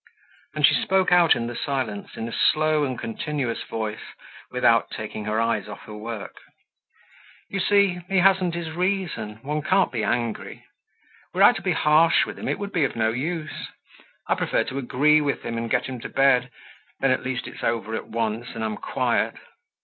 And she spoke out in the silence, in a slow and continuous voice, without taking her eyes off her work. "You see, he hasn't his reason, one can't be angry. Were I to be harsh with him, it would be of no use. I prefer to agree with him and get him to bed; then, at least, it's over at once and I'm quiet.